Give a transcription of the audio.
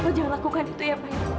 bapak jangan lakukan itu ya pak